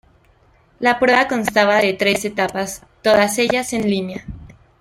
La prueba constaba de tres etapas, todas ellas en línea.